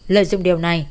lợi dụng điều này